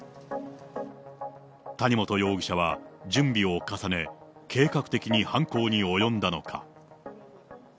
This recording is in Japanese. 谷本容疑者は準備を重ね、計画的に犯行に及んだのか。